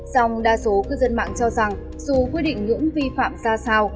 song đa số cư dân mạng cho rằng dù quy định ngưỡng vi phạm ra sao